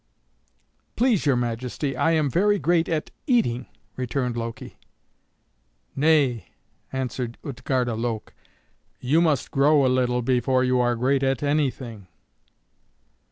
"Please your Majesty, I am very great at eating," returned Loki. "Nay," answered Utgarda Loke, "you must grow a little before you are great at anything."